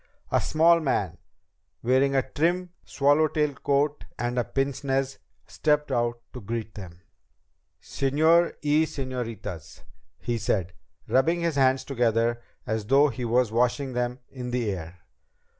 A small man, wearing a trim swallowtail coat and a pince nez, stepped out to greet them. "Señor y señoritas," he said, rubbing his hands together as though he was washing them in the air.